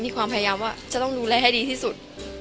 มีความพยายามว่าจะต้องดูแลให้ดีที่สุด